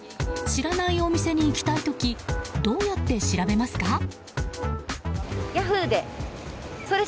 知らないお店に行きたい時どうやって調べますか？